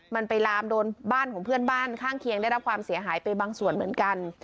มันไปลามโดนบ้านของเพื่อนบ้านข้างเคียงได้รับความเสียหายไปบางส่วนเหมือนกัน